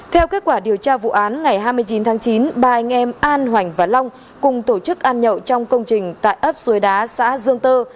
theo kết quả điều tra vụ án ngày hai mươi chín tháng chín ba anh em an hoành và long cùng tổ chức ăn nhậu trong công trình tại ấp suối đá xã dương tơ